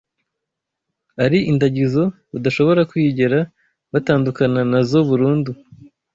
ari indagizo badashobora kwigera batandukana na zo burundu